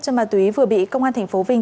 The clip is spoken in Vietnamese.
cho ma túy vừa bị công an thành phố vinh